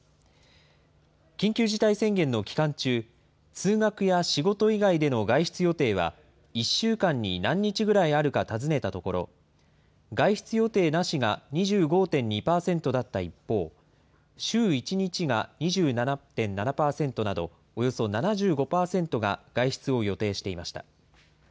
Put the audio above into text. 緊急事態宣言の期間中、通学や仕事以外での外出予定は、１週間に何日ぐらいあるか尋ねたところ、外出予定なしが２５．２％だった一方、週１日が２７．７％など、およそ７５％が外出を予定していました。